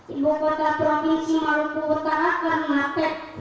ibu kota provinsi maroko utara karnapet